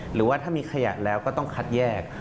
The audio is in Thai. หรือว่าถ้ามีขยะแล้วก็ต้องคัดแยก